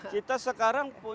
kita sekarang punya